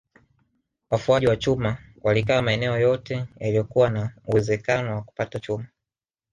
Wafuaji wa chuma walikaa maeneo yote yaliyokuwa na uwezekano wa kupata chuma